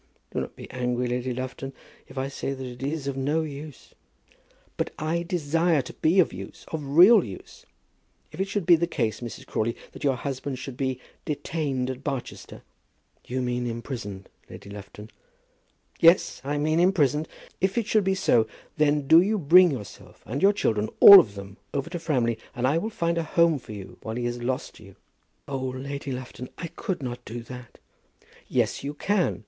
Do not be angry, Lady Lufton, if I say that it is of no use." "But I desire to be of use, of real use. If it should be the case, Mrs. Crawley, that your husband should be detained at Barchester " "You mean imprisoned, Lady Lufton." "Yes, I mean imprisoned. If it should be so, then do you bring yourself and your children, all of them, over to Framley, and I will find a home for you while he is lost to you." "Oh, Lady Lufton; I could not do that." "Yes, you can.